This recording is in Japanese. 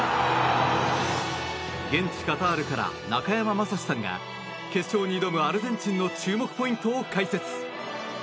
現地カタールから中山雅史さんが決勝に挑むアルゼンチンの注目ポイントを解説。